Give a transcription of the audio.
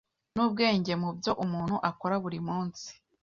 n’ubwenge mu byo umuntu akora buri munsi